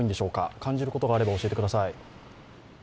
感じることがあれば教えてください。